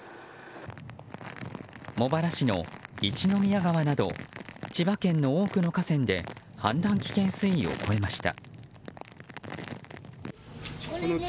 茂原市の一宮川など千葉県の多くの河川で氾濫危険水位を超えました。